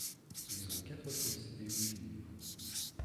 Ils ont quatre fils et une fille.